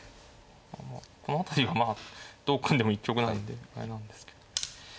この辺りはまあどう組んでも一局なんであれなんですけど。